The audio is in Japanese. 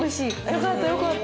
よかったよかった。